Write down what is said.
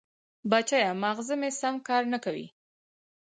بچیه! ماغزه مې سم کار نه کوي.